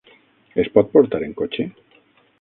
Es pot portar en cotxe?